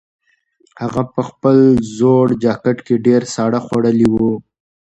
هغه په خپل زوړ جاکټ کې ډېر ساړه خوړلي وو.